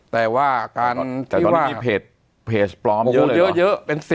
แต่ว่าการที่ว่าเยอะเยอะเป็น๑๐